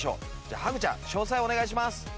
じゃあハグちゃん詳細お願いします。